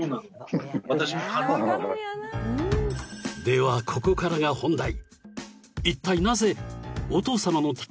［ではここからが本題］